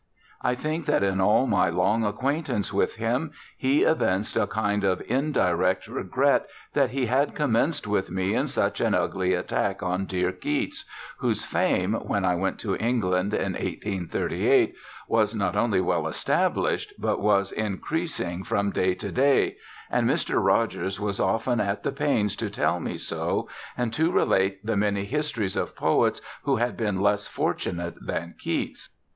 I think that in all my long acquaintance with him he evinced a kind of indirect regret that he had commenced with me in such an ugly attack on dear Keats, whose fame, when I went to England in 1838, was not only well established, but was increasing from day to day, and Mr. Rogers was often at the pains to tell me so, and to relate the many histories of poets who had been less fortunate than Keats.